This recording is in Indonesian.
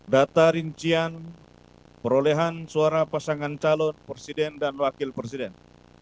data rincian perolehan suara pasangan calon presiden dan wakil presiden